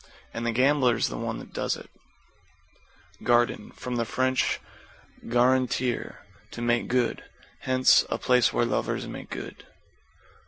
And the gambler's the one that does it. =GARDEN= From the Fr. garantir, to make good. Hence, a place where lovers make good.